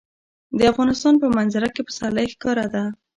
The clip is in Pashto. د افغانستان په منظره کې پسرلی ښکاره ده.